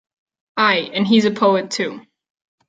Ay, and he's a poet too.